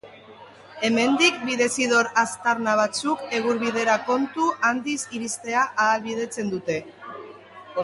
Hemendik, bidezidor aztarna batzuk, Egurbidera kontu handiz iristea ahalbidetzen dute.